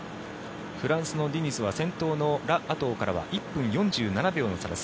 フランスのディニズが先頭のラ・アトウからは１分４７秒の差です。